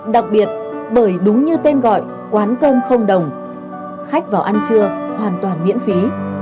đặc biệt bởi đúng như tên gọi quán cơm không đồng khách vào ăn trưa hoàn toàn miễn phí